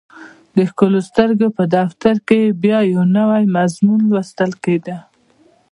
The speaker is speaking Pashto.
د ښکلو سترګو په دفتر کې یې بیا یو نوی مضمون لوستل کېده